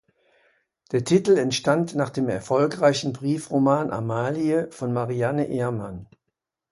Der Titel entstand nach dem erfolgreichen Briefroman "Amalie" von Marianne Ehrmann.